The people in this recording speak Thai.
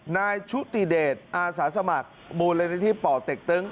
นายชุติเดชอาสาสมัครบริเวณที่เป่าเต็กตึ้ง